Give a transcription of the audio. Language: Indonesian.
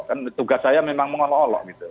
kan tugas saya memang mengolok olok gitu